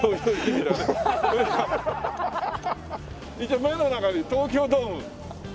見て目の中に東京ドーム。